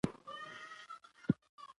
يو خټکی درسره راوړه.